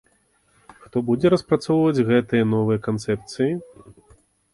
Хто будзе распрацоўваць гэтыя новыя канцэпцыі?